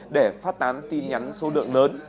để phát tán tin nhắn số lượng lớn